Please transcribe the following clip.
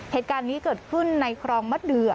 เหตุการณ์นี้เกิดขึ้นในครองมะเดือ